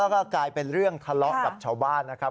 ก็กลายเป็นเรื่องทะเลาะกับชาวบ้านนะครับ